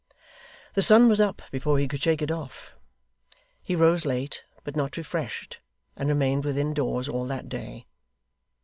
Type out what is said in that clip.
The sun was up, before he could shake it off. He rose late, but not refreshed, and remained within doors all that day.